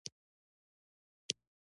انا له لویو خلکو نه ادب زده کوي